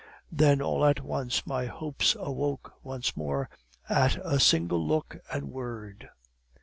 Then all at once my hopes awoke once more, at a single look and word.